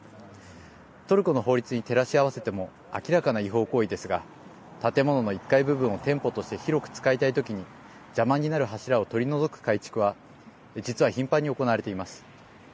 トルコの法律に照らし合わせても明らかな違法行為ですが建物の１階部分を店舗として広く使いたい時に邪魔になる柱を取り除く改築は実は頻繁に行われています。